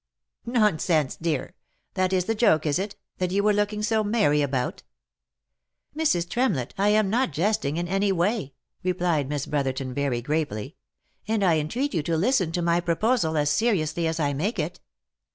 " Nonsense, dear ! That is the joke, is it, that you were looking so merry about ?"" Mrs. Tremlett, I am not jesting in any way," replied Miss Bro therton, very gravely ;" and I entreat you to listen to my proposal as seriously as I make it.